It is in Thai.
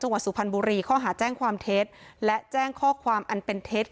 สุพรรณบุรีข้อหาแจ้งความเท็จและแจ้งข้อความอันเป็นเท็จ